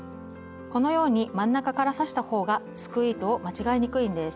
このように真ん中から刺したほうがすくう糸を間違えにくいんです。